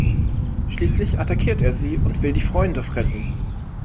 Schließlich attackiert er sie und will die Freunde fressen.